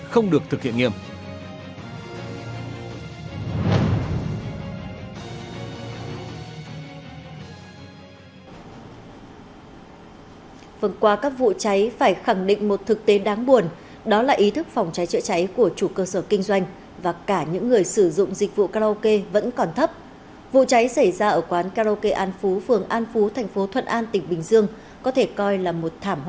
không được thực hiện nghiêm